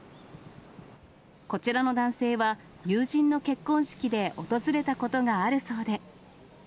こちらの男性は、友人の結婚式で訪れたことがあるそうで。